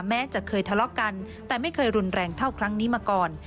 แม้จะเคยทะเลาะกันแต่ไม่เคยรุนแรงเท่าครั้งนี้มาก่อน